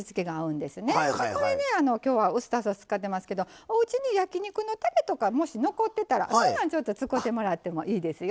これね今日はウスターソース使ってますけどおうちに焼き肉のたれとかもし残ってたらそんなん使うてもらってもいいですよ。